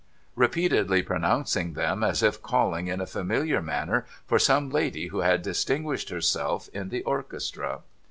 ' repeatedly pronouncing them as if calling in a familiar manner for some lady who had distinguished herself in the orchestra.